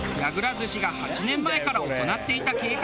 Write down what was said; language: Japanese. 寿司が８年前から行っていた計画。